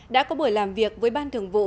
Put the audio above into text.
đã có buổi làm việc với ban thường vụ